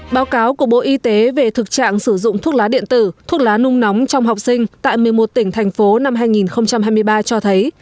báo cáo của bộ y tế về thực trạng sử dụng thuốc lá điện tử thuốc lá nung nóng trong học sinh tại một mươi một tỉnh thành phố năm hai nghìn hai mươi ba cho thấy